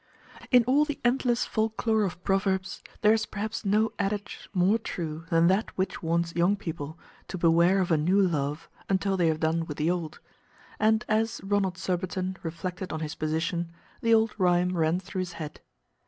In all the endless folk lore of proverbs, there is perhaps no adage more true than that which warns young people to beware of a new love until they have done with the old, and as Ronald Surbiton reflected on his position, the old rhyme ran through his head.